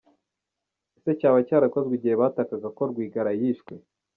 Ese cyaba cyarakozwe igihe batakaga ko Rwigara yishwe?